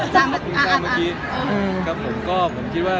ถ้าเมื่อกี้ครับผมก็ผมคิดว่า